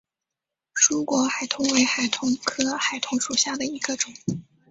疏果海桐为海桐科海桐属下的一个种。